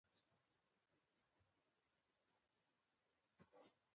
د حقوقي شخصیتونو د محرومیت پالیسي ګانې.